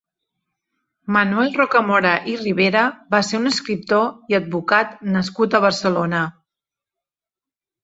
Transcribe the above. Manuel Rocamora i Rivera va ser un escriptor i advocat nascut a Barcelona.